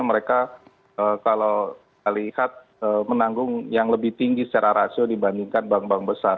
mereka kalau kita lihat menanggung yang lebih tinggi secara rasio dibandingkan bank bank besar